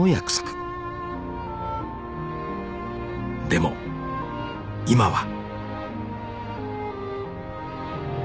［でも今は］